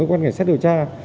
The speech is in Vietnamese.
và quan hệ xét điều tra